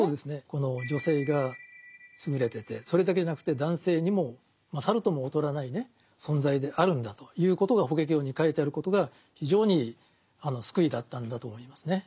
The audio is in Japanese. この女性が勝れててそれだけじゃなくて男性にも勝るとも劣らない存在であるんだということが「法華経」に書いてあることが非常に救いだったんだと思いますね。